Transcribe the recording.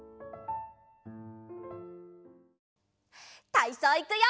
たいそういくよ！